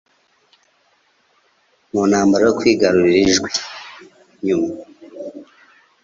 mu ntambara yo kwigarurira Ijwi, nyuma